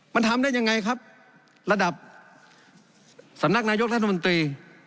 มันทำได้ยังไงครับระดับสำนักนายกรัฐมนตรี